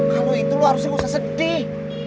kalau itu lo harusnya usah sedih